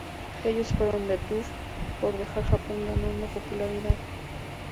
Ellos se fueron de tour por todo Japón ganando popularidad.